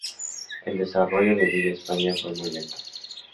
El desarrollo de Villa España fue muy lento.